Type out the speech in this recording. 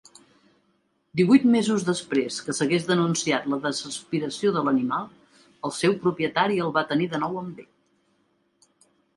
Divuit mesos després que s'hagués denunciat la desaspiració de l'animal, el seu propietari el va tenir de nou amb ell.